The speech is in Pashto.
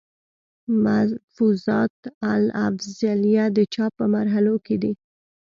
ملفوظات الافضلېه، د چاپ پۀ مرحلو کښې دی